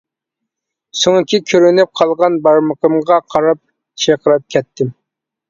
سۆڭىكى كۆرۈنۈپ قالغان بارمىقىمغا قاراپ چىرقىراپ كەتتىم.